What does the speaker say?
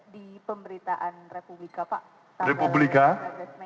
di pemberitaan republika pak tanggal sepuluh mei dua ribu lima belas